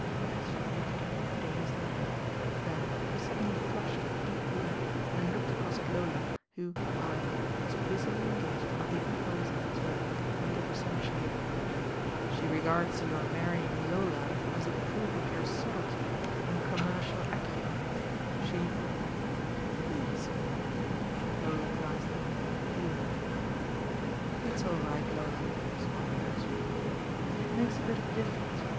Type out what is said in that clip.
Beresford looked at him in a dazed manner, then he suddenly flushed a deep red and looked across at Lola, who, however, was busily engaged in digging holes in the turf with the point of her sunshade. "She regards your marrying Lola as a proof of your subtlety and commercial acumen. She " "Please " Lola glanced up at him pleadingly. "It's aU right, Lola," smiled Beresford. "It makes a bit of difference.